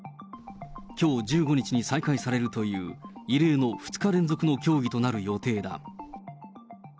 きょう１５日に再開されるという異例の２日連続の協議となる予定だ。